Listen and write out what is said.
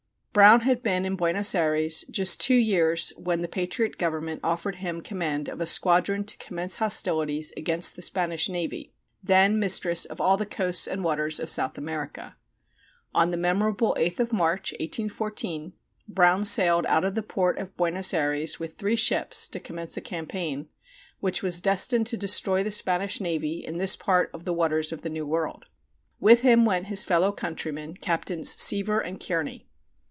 Brown had been in Buenos Ayres just two years when the patriot government offered him command of a squadron to commence hostilities against the Spanish navy, then mistress of all the coasts and waters of South America. On the memorable 8th of March, 1814, Brown sailed out of the port of Buenos Ayres with three ships to commence a campaign, which was destined to destroy the Spanish navy in this part of the waters of the New World. With him went his fellow countrymen, Captains Seaver and Kearney.